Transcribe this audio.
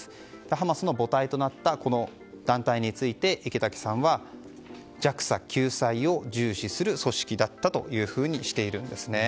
ハマスの母体となったこの団体について池滝さんは、弱者救済を重視する組織だったとしています。